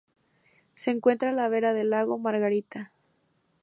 Se encuentra a la vera del Lago Margarita.